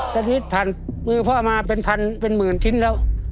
ชนิดผ่านมือพ่อมาเป็นพันเป็นหมื่นชิ้นแล้ว